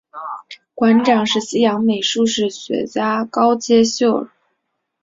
馆长是西洋美术史学家高阶秀尔。